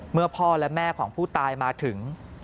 พ่อและแม่ของผู้ตายมาถึง